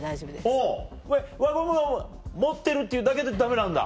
ほう輪ゴムを持ってるっていうだけでダメなんだ。